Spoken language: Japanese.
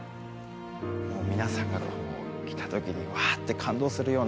皆さんがこう来た時にわあ！って感動するような